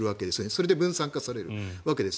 それで分散化されるわけです。